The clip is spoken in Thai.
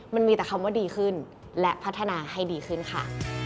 มันมีแต่คำว่าดีขึ้นและพัฒนาให้ดีขึ้นค่ะ